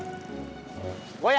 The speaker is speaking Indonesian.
jak jawab saya jak